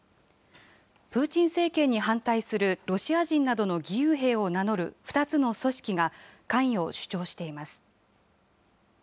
プーチン政権に反対するロシア人などの義勇兵を名乗る２つの組織が関与を主張しています。